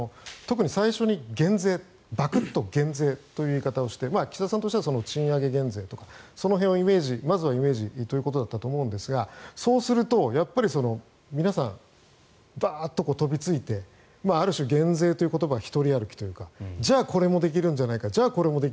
特に最初に減税という言い方をして岸田さんとしては賃上げ減税とかその辺を、まずはイメージということだったと思うんですがそうすると皆さんバーっと飛びついてある種、減税という言葉が独り歩きというかじゃあこれもできるんじゃないか。